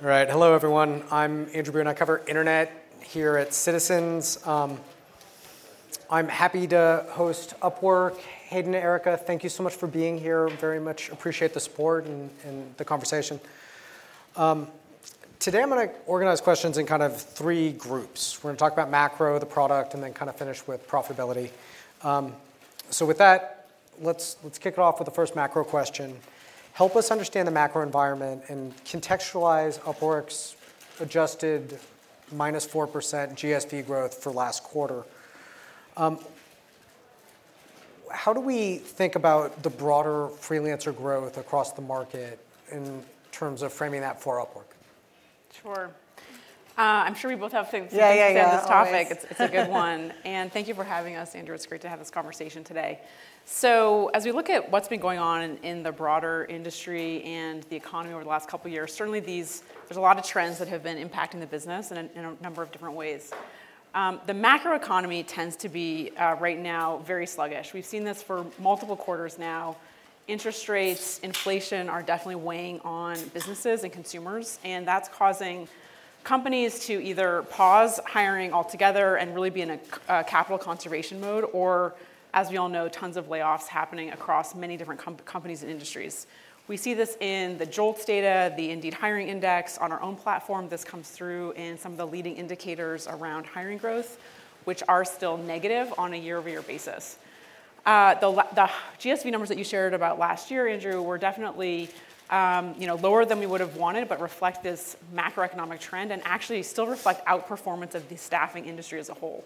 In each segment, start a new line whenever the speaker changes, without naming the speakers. All right, hello everyone. I'm Andrew Brewer. I cover internet here at Citizens. I'm happy to host Upwork. Hayden and Erica, thank you so much for being here. Very much appreciate the support and the conversation. Today I'm going to organize questions in kind of three groups. We're going to talk about macro, the product, and then kind of finish with profitability. With that, let's kick it off with the first macro question. Help us understand the macro environment and contextualize Upwork's adjusted -4% GSV growth for last quarter. How do we think about the broader freelancer growth across the market in terms of framing that for Upwork?
Sure. I'm sure we both have things to say on this topic. It's a good one. Thank you for having us, Andrew. It's great to have this conversation today. As we look at what's been going on in the broader industry and the economy over the last couple of years, certainly there's a lot of trends that have been impacting the business in a number of different ways. The macro economy tends to be right now very sluggish. We've seen this for multiple quarters now. Interest rates and inflation are definitely weighing on businesses and consumers, and that's causing companies to either pause hiring altogether and really be in a capital conservation mode, or, as we all know, tons of layoffs happening across many different companies and industries. We see this in the JOLTS data, the Indeed Hiring Index on our own platform. This comes through in some of the leading indicators around hiring growth, which are still negative on a year-over-year basis. The GSV numbers that you shared about last year, Andrew, were definitely lower than we would have wanted, but reflect this macroeconomic trend and actually still reflect outperformance of the staffing industry as a whole.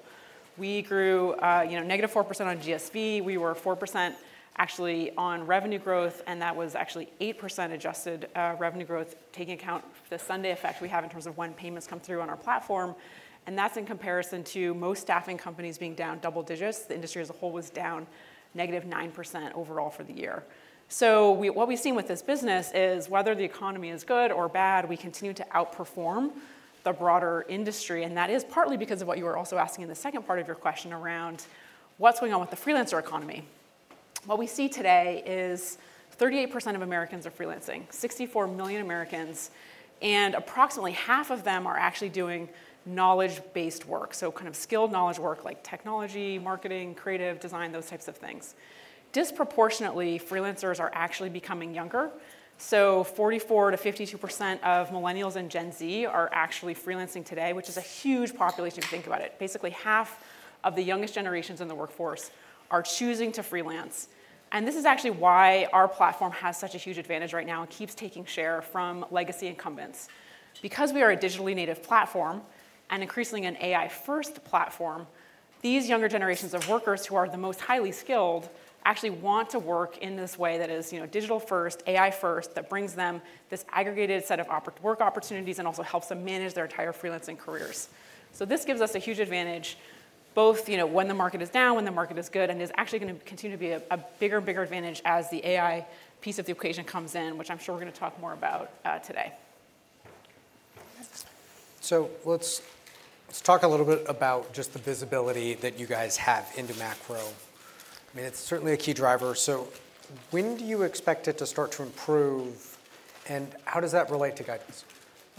We grew negative 4% on GSV. We were 4% actually on revenue growth, and that was actually 8% adjusted revenue growth, taking account the Sunday effect we have in terms of when payments come through on our platform. That is in comparison to most staffing companies being down double digits. The industry as a whole was down negative 9% overall for the year. What we have seen with this business is whether the economy is good or bad, we continue to outperform the broader industry. That is partly because of what you were also asking in the second part of your question around what's going on with the freelancer economy. What we see today is 38% of Americans are freelancing, 64 million Americans, and approximately half of them are actually doing knowledge-based work, so kind of skilled knowledge work like technology, marketing, creative design, those types of things. Disproportionately, freelancers are actually becoming younger. 44%-52% of millennials and Gen Z are actually freelancing today, which is a huge population if you think about it. Basically, half of the youngest generations in the workforce are choosing to freelance. This is actually why our platform has such a huge advantage right now and keeps taking share from legacy incumbents. Because we are a digitally native platform and increasingly an AI-first platform, these younger generations of workers who are the most highly skilled actually want to work in this way that is digital-first, AI-first, that brings them this aggregated set of work opportunities and also helps them manage their entire freelancing careers. This gives us a huge advantage both when the market is down, when the market is good, and is actually going to continue to be a bigger and bigger advantage as the AI piece of the equation comes in, which I'm sure we're going to talk more about today.
Let's talk a little bit about just the visibility that you guys have into macro. I mean, it's certainly a key driver. When do you expect it to start to improve? How does that relate to guidance?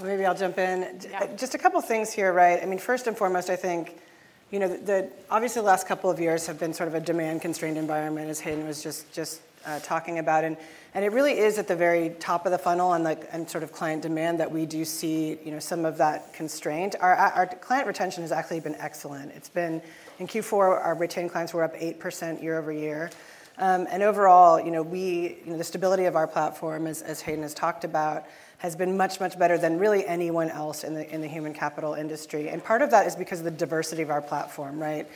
Maybe I'll jump in. Just a couple of things here, right? I mean, first and foremost, I think obviously the last couple of years have been sort of a demand-constrained environment, as Hayden was just talking about. It really is at the very top of the funnel and sort of client demand that we do see some of that constraint. Our client retention has actually been excellent. In Q4, our retained clients were up 8% year over year. Overall, the stability of our platform, as Hayden has talked about, has been much, much better than really anyone else in the human capital industry. Part of that is because of the diversity of our platform, right?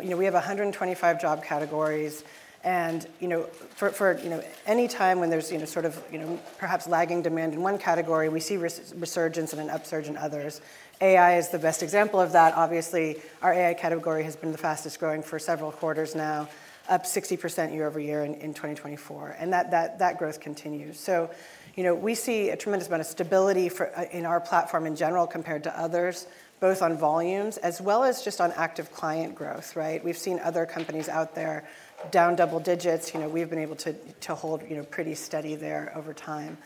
We have 125 job categories. For any time when there's sort of perhaps lagging demand in one category, we see resurgence and an upsurge in others. AI is the best example of that. Obviously, our AI category has been the fastest growing for several quarters now, up 60% year over year in 2024. That growth continues. We see a tremendous amount of stability in our platform in general compared to others, both on volumes as well as just on active client growth, right? We've seen other companies out there down double digits. We've been able to hold pretty steady there over time.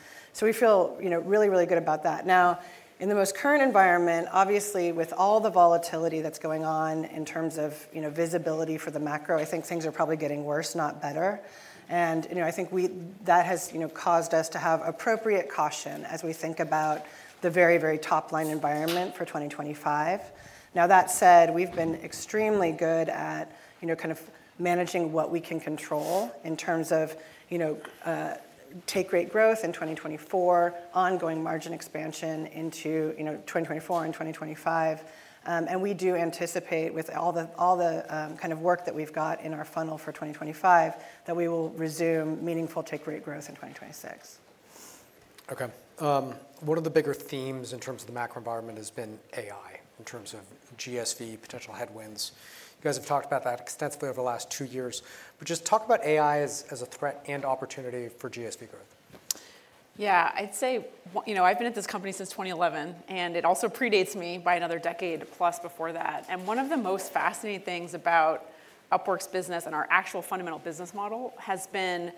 We feel really, really good about that. In the most current environment, obviously, with all the volatility that's going on in terms of visibility for the macro, I think things are probably getting worse, not better. I think that has caused us to have appropriate caution as we think about the very, very top-line environment for 2025. Now, that said, we've been extremely good at kind of managing what we can control in terms of take-rate growth in 2024, ongoing margin expansion into 2024 and 2025. We do anticipate, with all the kind of work that we've got in our funnel for 2025, that we will resume meaningful take-rate growth in 2026.
Okay. One of the bigger themes in terms of the macro environment has been AI in terms of GSV, potential headwinds. You guys have talked about that extensively over the last two years. Just talk about AI as a threat and opportunity for GSV growth.
Yeah, I'd say I've been at this company since 2011, and it also predates me by another decade plus before that. One of the most fascinating things about Upwork's business and our actual fundamental business model has been,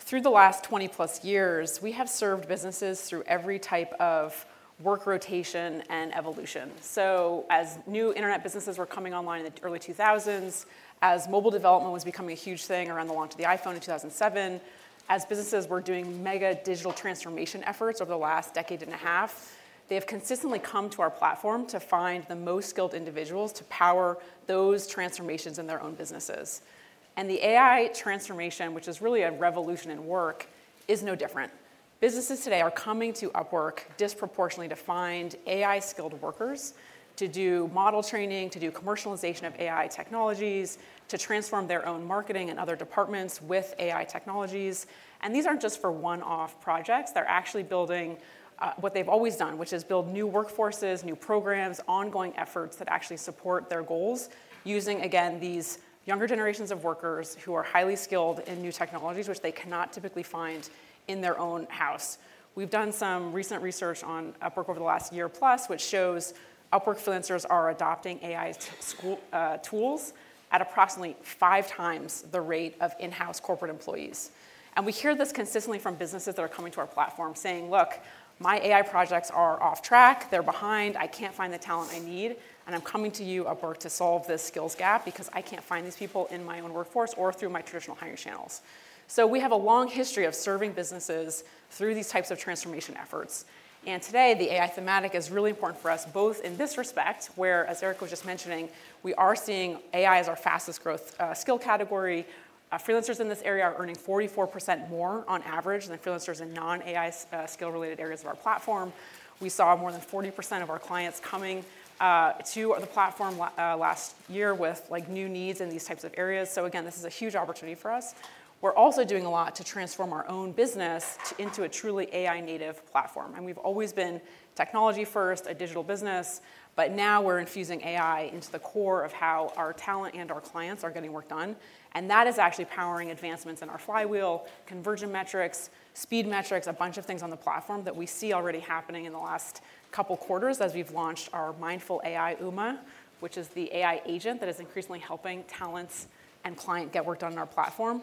through the last 20-plus years, we have served businesses through every type of work rotation and evolution. As new internet businesses were coming online in the early 2000s, as mobile development was becoming a huge thing around the launch of the iPhone in 2007, as businesses were doing mega digital transformation efforts over the last decade and a half, they have consistently come to our platform to find the most skilled individuals to power those transformations in their own businesses. The AI transformation, which is really a revolution in work, is no different. Businesses today are coming to Upwork disproportionately to find AI-skilled workers, to do model training, to do commercialization of AI technologies, to transform their own marketing and other departments with AI technologies. These are not just for one-off projects. They are actually building what they have always done, which is build new workforces, new programs, ongoing efforts that actually support their goals, using, again, these younger generations of workers who are highly skilled in new technologies, which they cannot typically find in their own house. We have done some recent research on Upwork over the last year plus, which shows Upwork freelancers are adopting AI tools at approximately five times the rate of in-house corporate employees. We hear this consistently from businesses that are coming to our platform, saying, "Look, my AI projects are off track. They are behind. I cannot find the talent I need. I'm coming to you, Upwork, to solve this skills gap because I can't find these people in my own workforce or through my traditional hiring channels. We have a long history of serving businesses through these types of transformation efforts. Today, the AI thematic is really important for us, both in this respect, where, as Erica was just mentioning, we are seeing AI as our fastest growth skill category. Freelancers in this area are earning 44% more on average than freelancers in non-AI skill-related areas of our platform. We saw more than 40% of our clients coming to the platform last year with new needs in these types of areas. This is a huge opportunity for us. We're also doing a lot to transform our own business into a truly AI-native platform. We have always been technology-first, a digital business, but now we are infusing AI into the core of how our talent and our clients are getting work done. That is actually powering advancements in our flywheel, conversion metrics, speed metrics, a bunch of things on the platform that we see already happening in the last couple of quarters as we have launched our Mindful AI Uma, which is the AI agent that is increasingly helping talents and clients get work done on our platform.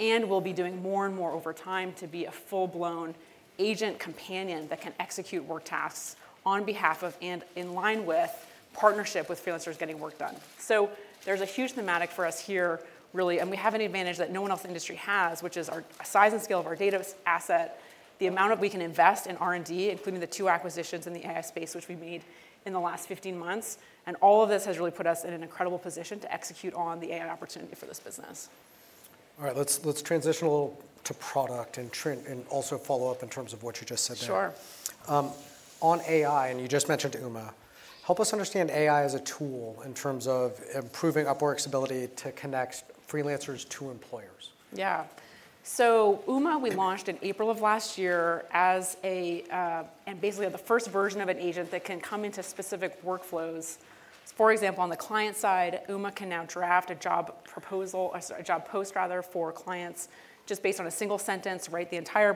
We will be doing more and more over time to be a full-blown agent companion that can execute work tasks on behalf of and in line with partnership with freelancers getting work done. There's a huge thematic for us here, really, and we have an advantage that no one else in the industry has, which is our size and scale of our data asset, the amount we can invest in R&D, including the two acquisitions in the AI space, which we made in the last 15 months. All of this has really put us in an incredible position to execute on the AI opportunity for this business.
All right, let's transition a little to product and also follow up in terms of what you just said there.
Sure.
On AI, and you just mentioned Uma, help us understand AI as a tool in terms of improving Upwork's ability to connect freelancers to employers.
Yeah. Uma, we launched in April of last year as basically the first version of an agent that can come into specific workflows. For example, on the client side, Uma can now draft a job post for clients just based on a single sentence, write the entire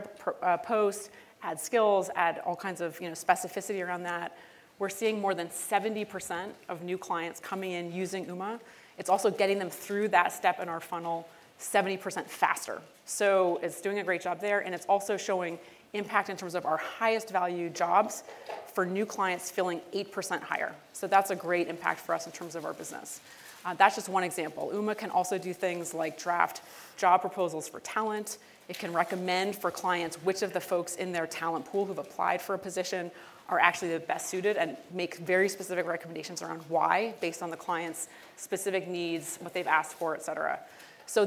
post, add skills, add all kinds of specificity around that. We're seeing more than 70% of new clients coming in using Uma. It's also getting them through that step in our funnel 70% faster. It is doing a great job there. It is also showing impact in terms of our highest value jobs for new clients filling 8% higher. That is a great impact for us in terms of our business. That is just one example. Uma can also do things like draft job proposals for talent. It can recommend for clients which of the folks in their talent pool who've applied for a position are actually the best suited and make very specific recommendations around why based on the client's specific needs, what they've asked for, et cetera.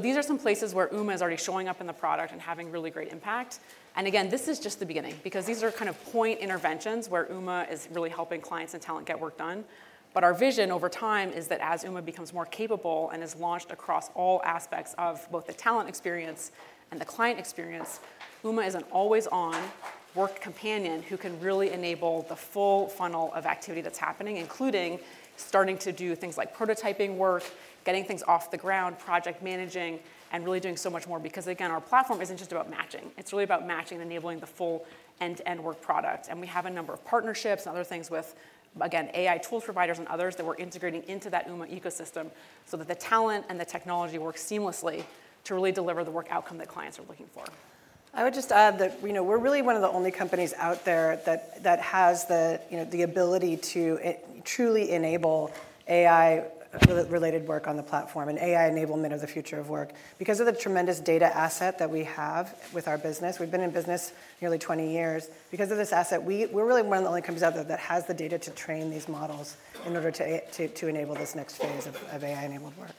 These are some places where Uma is already showing up in the product and having really great impact. Again, this is just the beginning because these are kind of point interventions where Uma is really helping clients and talent get work done. Our vision over time is that as Uma becomes more capable and is launched across all aspects of both the talent experience and the client experience, Uma is an always-on work companion who can really enable the full funnel of activity that's happening, including starting to do things like prototyping work, getting things off the ground, project managing, and really doing so much more because, again, our platform isn't just about matching. It's really about matching and enabling the full end-to-end work product. We have a number of partnerships and other things with, again, AI tools providers and others that we're integrating into that Uma ecosystem so that the talent and the technology work seamlessly to really deliver the work outcome that clients are looking for.
I would just add that we're really one of the only companies out there that has the ability to truly enable AI-related work on the platform and AI enablement of the future of work. Because of the tremendous data asset that we have with our business, we've been in business nearly 20 years. Because of this asset, we're really one of the only companies out there that has the data to train these models in order to enable this next phase of AI-enabled work.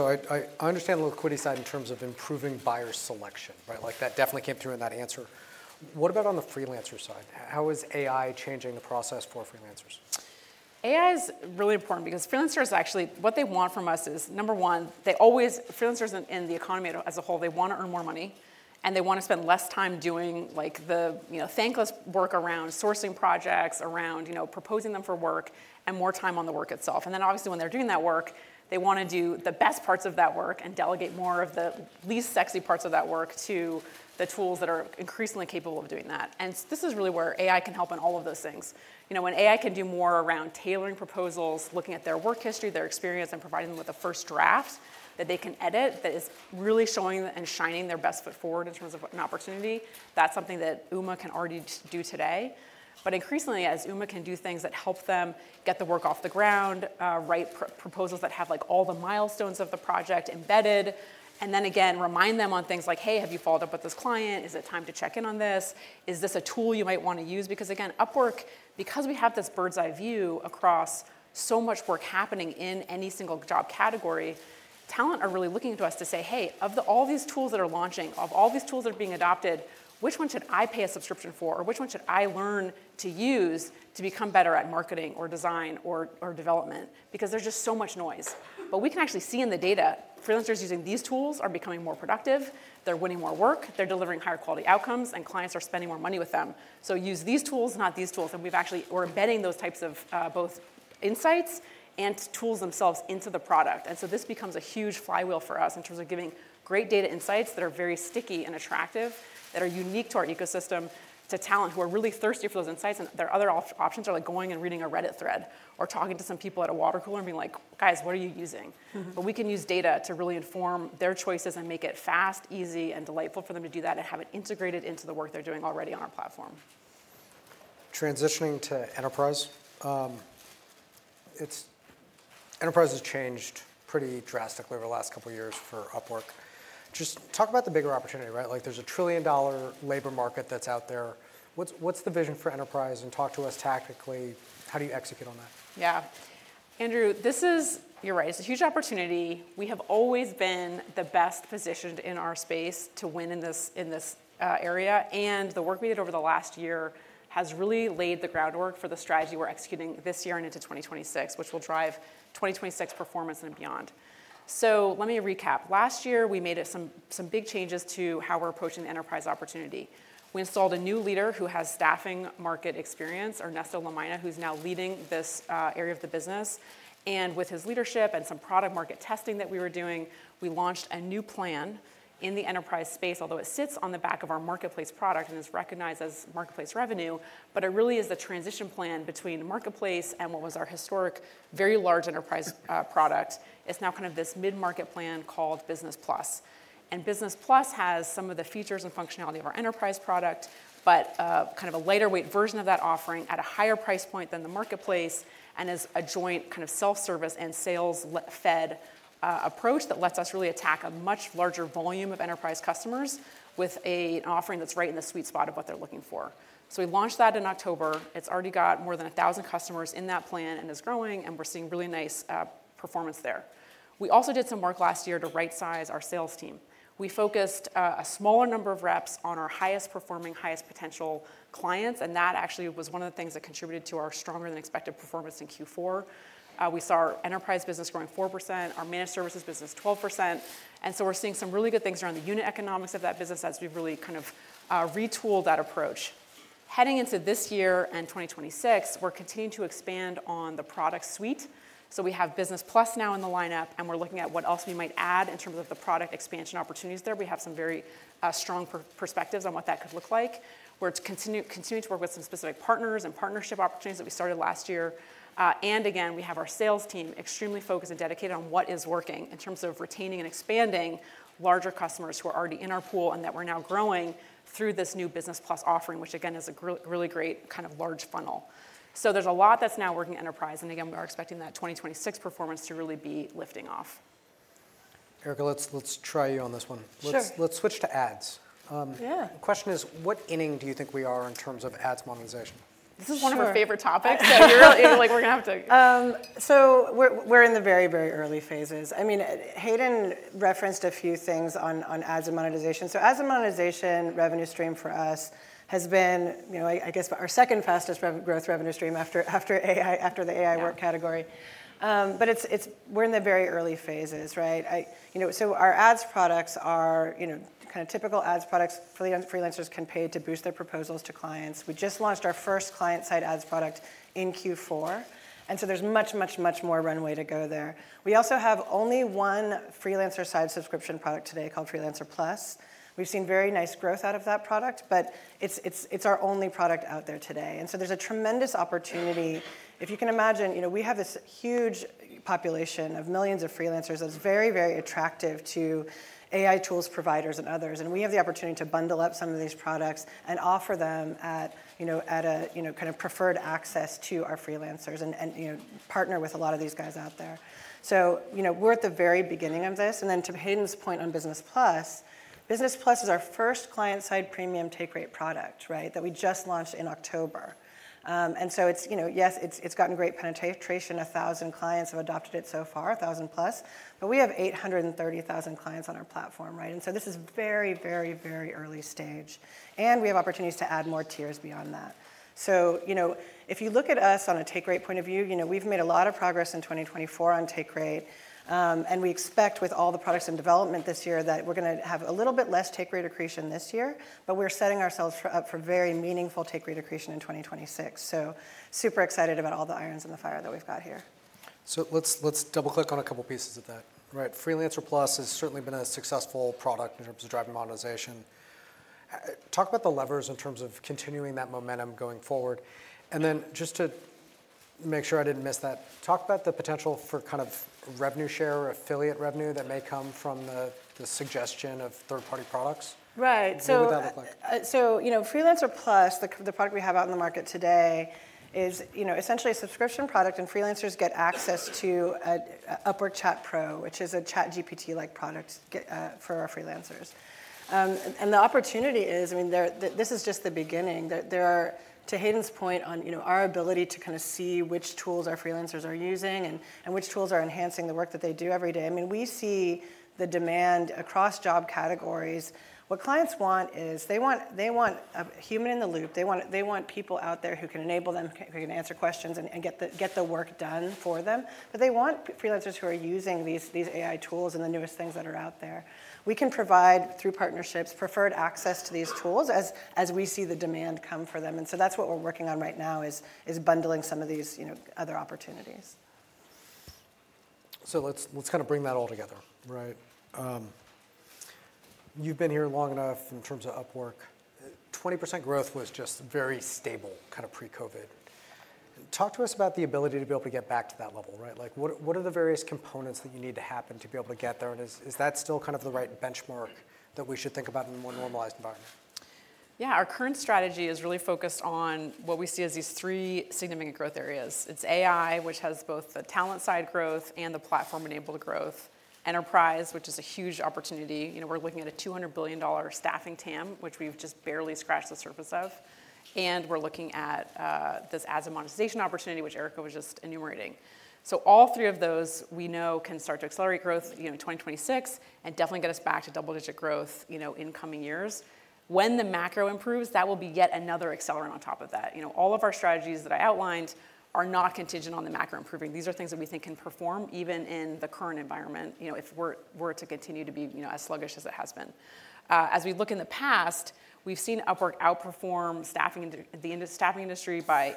I understand the liquidity side in terms of improving buyer selection, right? That definitely came through in that answer. What about on the freelancer side? How is AI changing the process for freelancers?
AI is really important because freelancers actually, what they want from us is, number one, freelancers in the economy as a whole, they want to earn more money, and they want to spend less time doing the thankless work around sourcing projects, around proposing them for work, and more time on the work itself. Obviously, when they're doing that work, they want to do the best parts of that work and delegate more of the least sexy parts of that work to the tools that are increasingly capable of doing that. This is really where AI can help in all of those things. When AI can do more around tailoring proposals, looking at their work history, their experience, and providing them with a first draft that they can edit that is really showing and shining their best foot forward in terms of an opportunity, that's something that Uma can already do today. Increasingly, as Uma can do things that help them get the work off the ground, write proposals that have all the milestones of the project embedded, and then again, remind them on things like, "Hey, have you followed up with this client? Is it time to check in on this? Is this a tool you might want to use?" Because again, Upwork, because we have this bird's-eye view across so much work happening in any single job category, talent are really looking to us to say, "Hey, of all these tools that are launching, of all these tools that are being adopted, which one should I pay a subscription for, or which one should I learn to use to become better at marketing or design or development?" There is just so much noise. We can actually see in the data, freelancers using these tools are becoming more productive. They are winning more work. They are delivering higher quality outcomes, and clients are spending more money with them. Use these tools, not these tools. We are embedding those types of both insights and tools themselves into the product. This becomes a huge flywheel for us in terms of giving great data insights that are very sticky and attractive, that are unique to our ecosystem, to talent who are really thirsty for those insights. Their other options are going and reading a Reddit thread or talking to some people at a water cooler and being like, "Guys, what are you using?" We can use data to really inform their choices and make it fast, easy, and delightful for them to do that and have it integrated into the work they're doing already on our platform.
Transitioning to enterprise. Enterprise has changed pretty drastically over the last couple of years for Upwork. Just talk about the bigger opportunity, right? There is a trillion-dollar labor market that is out there. What is the vision for enterprise and talk to us tactically. How do you execute on that?
Yeah. Andrew, this is, you're right, it's a huge opportunity. We have always been the best positioned in our space to win in this area. The work we did over the last year has really laid the groundwork for the strategy we're executing this year and into 2026, which will drive 2026 performance and beyond. Let me recap. Last year, we made some big changes to how we're approaching the enterprise opportunity. We installed a new leader who has staffing market experience, Ernesto Lumayna, who's now leading this area of the business. With his leadership and some product market testing that we were doing, we launched a new plan in the enterprise space, although it sits on the back of our marketplace product and is recognized as marketplace revenue, but it really is the transition plan between marketplace and what was our historic, very large enterprise product. It's now kind of this mid-market plan called Business Plus. Business Plus has some of the features and functionality of our enterprise product, but kind of a lighter-weight version of that offering at a higher price point than the marketplace and is a joint kind of self-service and sales-fed approach that lets us really attack a much larger volume of enterprise customers with an offering that's right in the sweet spot of what they're looking for. We launched that in October. It's already got more than 1,000 customers in that plan and is growing, and we're seeing really nice performance there. We also did some work last year to right-size our sales team. We focused a smaller number of reps on our highest-performing, highest-potential clients, and that actually was one of the things that contributed to our stronger-than-expected performance in Q4. We saw our enterprise business growing 4%, our managed services business 12%. We are seeing some really good things around the unit economics of that business as we have really kind of retooled that approach. Heading into this year and 2026, we are continuing to expand on the product suite. We have Business Plus now in the lineup, and we are looking at what else we might add in terms of the product expansion opportunities there. We have some very strong perspectives on what that could look like. We are continuing to work with some specific partners and partnership opportunities that we started last year. We have our sales team extremely focused and dedicated on what is working in terms of retaining and expanding larger customers who are already in our pool and that we are now growing through this new Business Plus offering, which again is a really great kind of large funnel. There is a lot that is now working enterprise, and we are expecting that 2026 performance to really be lifting off.
Erica, let's try you on this one.
Sure.
Let's switch to ads.
Yeah.
The question is, what inning do you think we are in terms of ads monetization?
This is one of our favorite topics. We're going to have to. We're in the very, very early phases. I mean, Hayden referenced a few things on ads and monetization. Ads and monetization revenue stream for us has been, I guess, our second fastest growth revenue stream after the AI work category. We're in the very early phases, right? Our ads products are kind of typical ads products. Freelancers can pay to boost their proposals to clients. We just launched our first client-side ads product in Q4. There's much, much, much more runway to go there. We also have only one freelancer-side subscription product today called Freelancer Plus. We've seen very nice growth out of that product, but it's our only product out there today. There's a tremendous opportunity. If you can imagine, we have this huge population of millions of freelancers that's very, very attractive to AI tools providers and others. We have the opportunity to bundle up some of these products and offer them at a kind of preferred access to our freelancers and partner with a lot of these guys out there. We are at the very beginning of this. To Hayden's point on Business Plus, Business Plus is our first client-side premium take-rate product that we just launched in October. Yes, it has gotten great penetration. 1,000 clients have adopted it so far, 1,000 plus. We have 830,000 clients on our platform. This is very, very, very early stage. We have opportunities to add more tiers beyond that. If you look at us on a take-rate point of view, we have made a lot of progress in 2024 on take-rate. We expect with all the products in development this year that we're going to have a little bit less take-rate accretion this year, but we're setting ourselves up for very meaningful take-rate accretion in 2026. Super excited about all the irons in the fire that we've got here.
Let's double-click on a couple of pieces of that. Freelancer Plus has certainly been a successful product in terms of driving monetization. Talk about the levers in terms of continuing that momentum going forward. And then just to make sure I didn't miss that, talk about the potential for kind of revenue share or affiliate revenue that may come from the suggestion of third-party products.
Right.
What would that look like?
Freelancer Plus, the product we have out in the market today, is essentially a subscription product, and freelancers get access to Upwork Chat Pro, which is a ChatGPT-like product for our freelancers. The opportunity is, I mean, this is just the beginning. To Hayden's point on our ability to kind of see which tools our freelancers are using and which tools are enhancing the work that they do every day, I mean, we see the demand across job categories. What clients want is they want a human in the loop. They want people out there who can enable them, who can answer questions and get the work done for them. They want freelancers who are using these AI tools and the newest things that are out there. We can provide, through partnerships, preferred access to these tools as we see the demand come for them. That's what we're working on right now, is bundling some of these other opportunities.
Let's kind of bring that all together, right? You've been here long enough in terms of Upwork. 20% growth was just very stable kind of pre-COVID. Talk to us about the ability to be able to get back to that level, right? What are the various components that you need to happen to be able to get there? Is that still kind of the right benchmark that we should think about in a more normalized environment?
Yeah. Our current strategy is really focused on what we see as these three significant growth areas. It's AI, which has both the talent-side growth and the platform-enabled growth. Enterprise, which is a huge opportunity. We're looking at a $200 billion staffing TAM, which we've just barely scratched the surface of. And we're looking at this ads and monetization opportunity, which Erica was just enumerating. All three of those we know can start to accelerate growth in 2026 and definitely get us back to double-digit growth in coming years. When the macro improves, that will be yet another accelerant on top of that. All of our strategies that I outlined are not contingent on the macro improving. These are things that we think can perform even in the current environment if we're to continue to be as sluggish as it has been. As we look in the past, we've seen Upwork outperform the staffing industry by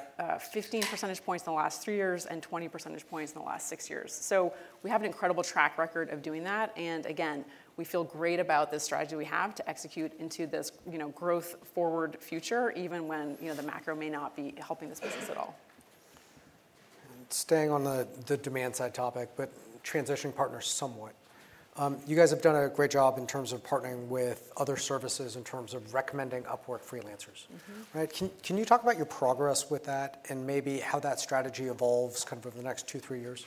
15 percentage points in the last three years and 20 percentage points in the last six years. We have an incredible track record of doing that. Again, we feel great about this strategy we have to execute into this growth-forward future, even when the macro may not be helping this business at all.
Staying on the demand-side topic, but transitioning partners somewhat. You guys have done a great job in terms of partnering with other services in terms of recommending Upwork freelancers. Can you talk about your progress with that and maybe how that strategy evolves kind of over the next two, three years?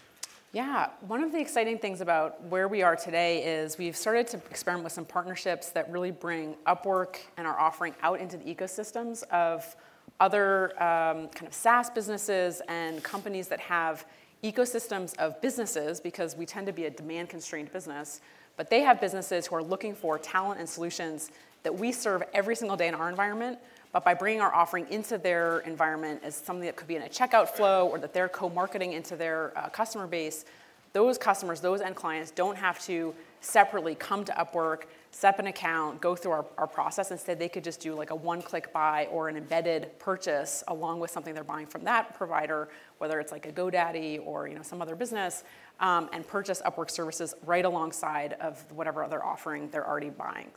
Yeah. One of the exciting things about where we are today is we've started to experiment with some partnerships that really bring Upwork and our offering out into the ecosystems of other kind of SaaS businesses and companies that have ecosystems of businesses because we tend to be a demand-constrained business. They have businesses who are looking for talent and solutions that we serve every single day in our environment. By bringing our offering into their environment as something that could be in a checkout flow or that they're co-marketing into their customer base, those customers, those end clients don't have to separately come to Upwork, set up an account, go through our process. Instead, they could just do like a one-click buy or an embedded purchase along with something they're buying from that provider, whether it's like a GoDaddy or some other business, and purchase Upwork services right alongside of whatever other offering they're already buying.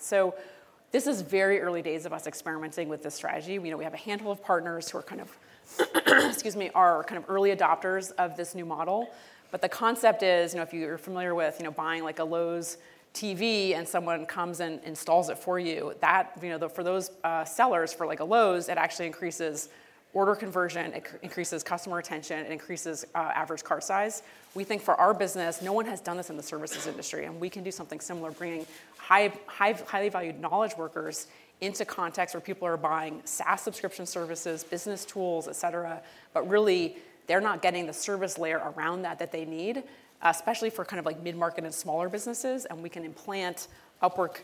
This is very early days of us experimenting with this strategy. We have a handful of partners who are kind of, excuse me, are kind of early adopters of this new model. The concept is, if you're familiar with buying like a Lowe's TV and someone comes and installs it for you, for those sellers for like a Lowe's, it actually increases order conversion. It increases customer retention. It increases average cart size. We think for our business, no one has done this in the services industry. We can do something similar, bringing highly valued knowledge workers into contexts where people are buying SaaS subscription services, business tools, et cetera. Really, they're not getting the service layer around that that they need, especially for kind of like mid-market and smaller businesses. We can implant Upwork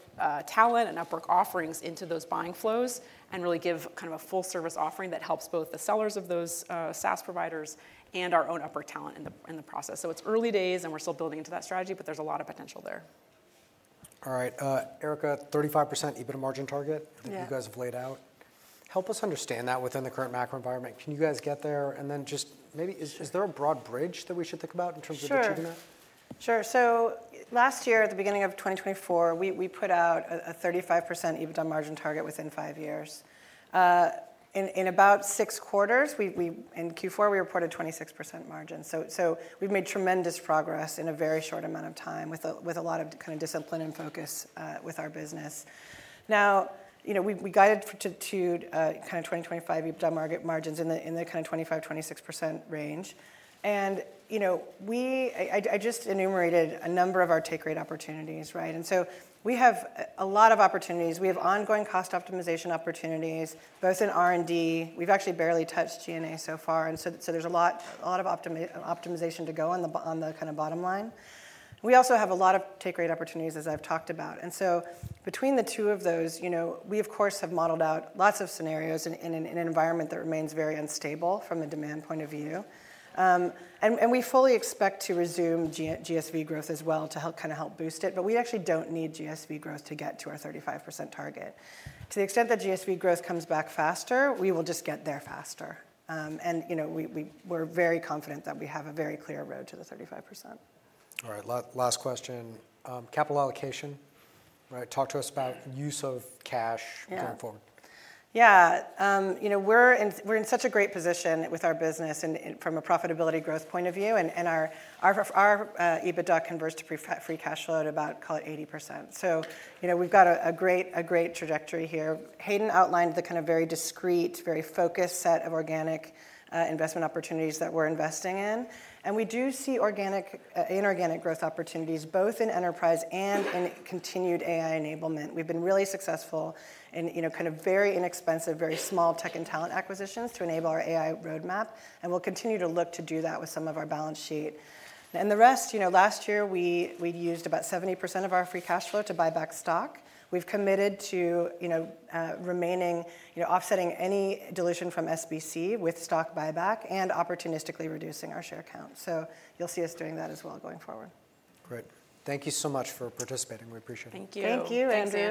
talent and Upwork offerings into those buying flows and really give kind of a full-service offering that helps both the sellers of those SaaS providers and our own Upwork talent in the process. It is early days, and we're still building into that strategy, but there's a lot of potential there.
All right. Erica, 35% EBITDA margin target that you guys have laid out. Help us understand that within the current macro environment. Can you guys get there? And then just maybe, is there a broad bridge that we should think about in terms of achieving that?
Sure. Last year, at the beginning of 2024, we put out a 35% EBITDA margin target within five years. In about six quarters, in Q4, we reported 26% margin. We have made tremendous progress in a very short amount of time with a lot of kind of discipline and focus with our business. We guided to kind of 2025 EBITDA margins in the 25%-26% range. I just enumerated a number of our take-rate opportunities. We have a lot of opportunities. We have ongoing cost optimization opportunities, both in R&D. We have actually barely touched G&A so far. There is a lot of optimization to go on the bottom line. We also have a lot of take-rate opportunities, as I have talked about. Between the two of those, we, of course, have modeled out lots of scenarios in an environment that remains very unstable from a demand point of view. We fully expect to resume GSV growth as well to kind of help boost it. We actually do not need GSV growth to get to our 35% target. To the extent that GSV growth comes back faster, we will just get there faster. We are very confident that we have a very clear road to the 35%.
All right. Last question. Capital allocation, right? Talk to us about use of cash going forward.
Yeah. We're in such a great position with our business from a profitability growth point of view. And our EBITDA converts to free cash flow at about, call it, 80%. We've got a great trajectory here. Hayden outlined the kind of very discreet, very focused set of organic investment opportunities that we're investing in. We do see inorganic growth opportunities both in enterprise and in continued AI enablement. We've been really successful in kind of very inexpensive, very small tech and talent acquisitions to enable our AI roadmap. We'll continue to look to do that with some of our balance sheet. The rest, last year, we used about 70% of our free cash flow to buy back stock. We've committed to remaining offsetting any dilution from SBC with stock buyback and opportunistically reducing our share count. You'll see us doing that as well going forward.
Great. Thank you so much for participating. We appreciate it.
Thank you.
Thank you, Andrew.